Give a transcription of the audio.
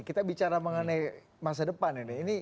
kita bicara mengenai masa depan ini